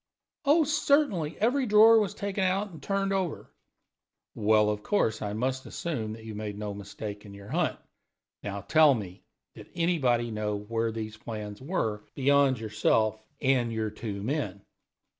"Oh, certainly; every drawer was taken out and turned over." "Well, of course I must assume you made no mistake in your hunt. Now tell me, did anybody know where these plans were, beyond yourself and your two men?"